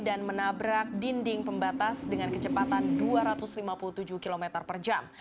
dan menabrak dinding pembatas dengan kecepatan dua ratus lima puluh tujuh km per jam